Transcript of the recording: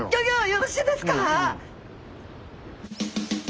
よろしいですか！